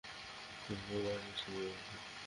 সবাই ডেস্কে গিয়ে বসো।